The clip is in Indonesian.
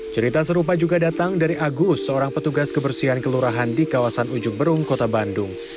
cerita serupa juga datang dari agus seorang petugas kebersihan kelurahan di kawasan ujung berung kota bandung